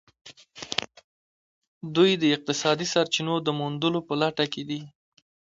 دوی د اقتصادي سرچینو د موندلو په لټه کې دي